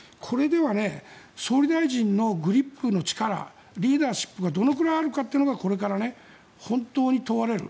これでは総理大臣のグリップの力リーダーシップがどれくらいあるのかこれから本当に問われる。